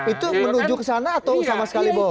itu menuju ke sana atau sama sekali bahwa